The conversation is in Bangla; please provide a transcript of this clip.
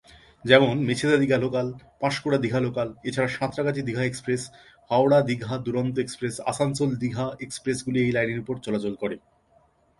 যেমন- মেছেদা-দীঘা লোকাল, পাঁশকুড়া-দীঘা লোকাল এছাড়া সাঁতরাগাছি-দীঘা এক্সপ্রেস, হাওড়া-দীঘা দুরন্ত এক্সপ্রেস, আসানসোল-দীঘা এক্সপ্রেস গুলি এই লাইনের উপর চলাচল করে।